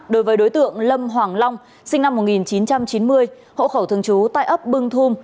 đối với đối tượng lâm hoàng long sinh năm một nghìn chín trăm chín mươi hộ khẩu thường trú tại ấp bưng thum